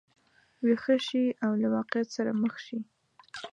ویښه شي او له واقعیت سره مخ شي.